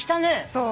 そう。